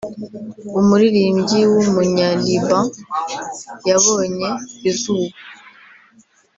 umuririmbyi w’umunya-Liban yabonye izuba